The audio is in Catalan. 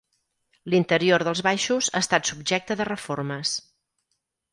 L'interior dels baixos ha estat subjecte de reformes.